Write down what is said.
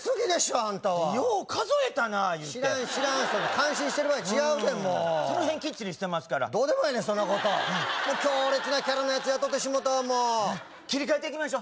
アンタはよう数えたないうて知らん知らん感心してる場合違うでもうそのへんきっちりしてますからどうでもええねんそんなこと強烈なキャラのヤツ雇ってしもうたわもう切り替えていきましょう